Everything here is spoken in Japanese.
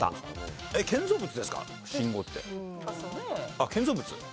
あっ建造物？